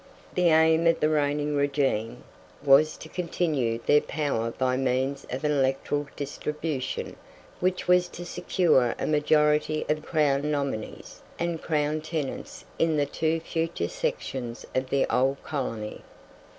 The aim of the reigning regime was to continue their power by means of an electoral distribution which was to secure a majority of Crown nominees and Crown tenants in the two future sections of the old colony.